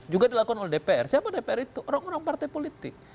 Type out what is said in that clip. juga dilakukan oleh dpr siapa dpr itu orang orang partai politik